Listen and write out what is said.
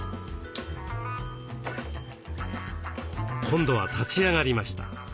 今度は立ち上がりました。